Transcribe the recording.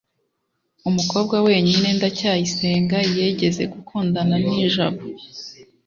umukobwa wenyine ndacyayisenga yigeze gukundana ni jabo